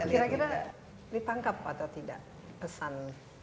kira kira ditangkap atau tidak pesan